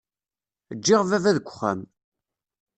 Ǧǧiɣ baba deg uxxam.